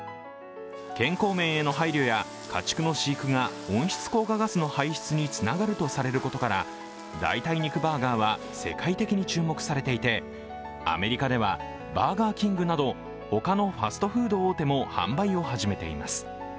健康面への配慮や家畜の飼育が温室効果ガスの排出につながるとされることから、代替肉バーガーは世界的に注目されていてアメリカではバーガーキングなど他のファストフード大手も販売を始めています。